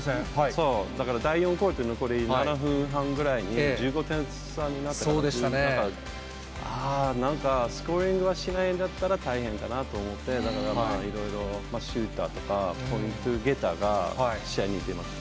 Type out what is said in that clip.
第４クオーター、残り７分半ぐらいに、１５点差になったから、ああ、なんかはしないんだったら、大変かなと思って、だからまあ、いろいろシューターとか、ポイントゲッターが試合に出ました。